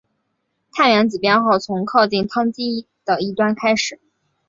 碳原子编号从靠近羰基的一端开始。